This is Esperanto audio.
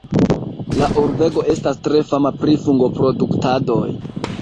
La urbego estas tre fama pri fungoproduktadoj.